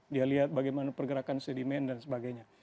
dia lihat bagaimana pergerakan sedimen dan sebagainya